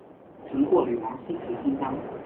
曾获女王诗词金章。